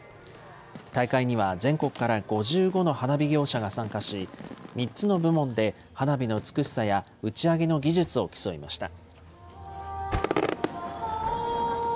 大会には全国から５５の花火業者が参加し、３つの部門で花火の美しさや打ち上げの技術を競いました。